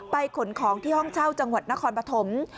ขนของที่ห้องเช่าจังหวัดนครปฐม